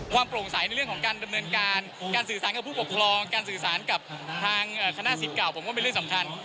โปร่งใสในเรื่องของการดำเนินการการสื่อสารกับผู้ปกครองการสื่อสารกับทางคณะสิทธิ์เก่าผมว่าเป็นเรื่องสำคัญ